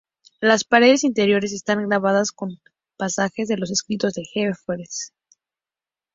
Las paredes interiores están grabadas con pasajes de los escritos de Jefferson.